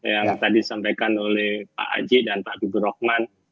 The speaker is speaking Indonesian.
yang tadi disampaikan oleh pak aji dan pak gugur rohman